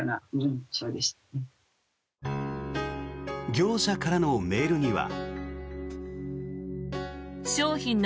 業者からのメールには。